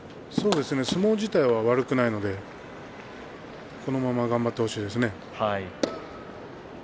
相撲自体は悪くないのでこのまま頑張ってほしいですね。